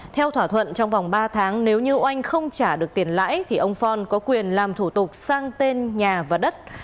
theo thỏa thuận trong vòng ba tháng nếu như oanh không trả được tiền lãi thì ông phon có quyền làm thủ tục sang tên nhà và đất